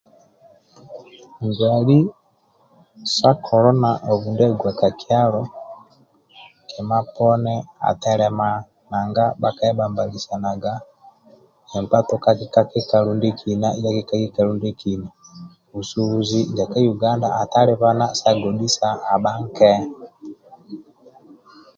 Nduali sa kolona obu ndia aguwa ka kyalo kima poni atelema nanga yabhakambalisanaga nkpa tukaki ka kikalo ndiekina yaki ka kikalo ndiekina, busubuzi ndia Yuganda atalibana sa godhisa abha nke